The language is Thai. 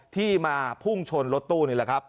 ที่มาพุ่งชนรถตู้นี่แหละครับ